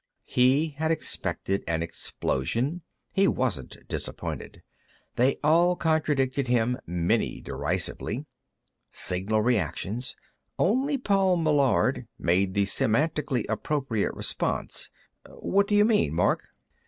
He had expected an explosion; he wasn't disappointed. They all contradicted him, many derisively. Signal reactions. Only Paul Meillard made the semantically appropriate response: "What do you mean, Mark?"